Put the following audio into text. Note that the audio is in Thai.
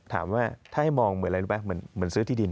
ถามว่าถ้าให้มองเหมือนอะไรรู้ไหมเหมือนซื้อที่ดิน